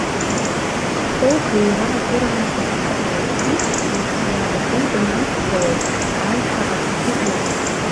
Х-ҳәоук рҩра акыраамҭа дадхалеит, ицә еихиаа ду данақәԥауаз аиҳа аԥхӡы илҵит.